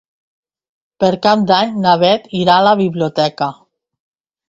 Per Cap d'Any na Beth irà a la biblioteca.